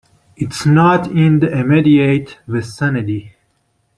It's not in the immediate vicinity.